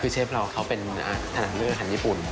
คือเชฟเราเขาเป็นขนาดเลือกอาหารญี่ปุ่น